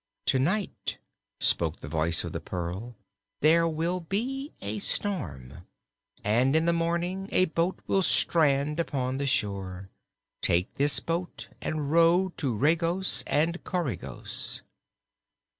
"To night," spoke the voice of the pearl, "there will be a storm, and in the morning a boat will strand upon the shore. Take this boat and row to Regos and Coregos."